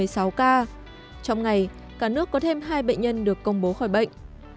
trong ngày cả nước có thêm hai bệnh nhân được công bố khỏi bệnh